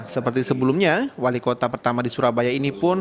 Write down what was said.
seperti sebelumnya wali kota pertama di surabaya ini pun